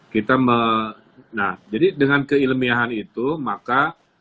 kita nah jadi dengan keilmiahan itu maka